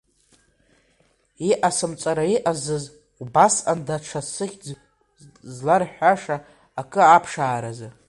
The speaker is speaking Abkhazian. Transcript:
Иҟасымҵара иҟазыз убасҟан, даҽак сыхьӡ зларҳәаша акы аԥшааразы…